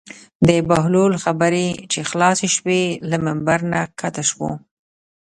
د بهلول خبرې چې خلاصې شوې له ممبر نه کښته شو.